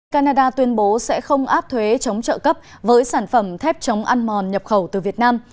canada tuyên bố sẽ không áp thuế chống trợ cấp với sản phẩm thép chống ăn mòn nhập khẩu từ việt nam